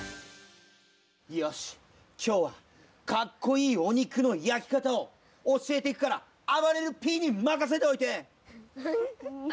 よしきょうはかっこいいおにくのやきかたをおしえていくからあばれるＰにまかせておいて！